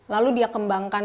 lalu dia kembangkan